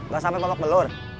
gak sampai bawa pelur